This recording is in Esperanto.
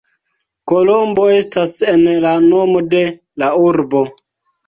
Kolombo estas en la nomo de la urbo.